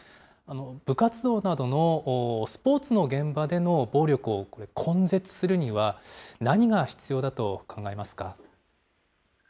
部活動などのスポーツの現場での暴力を根絶するには、何が必要だと考えますか。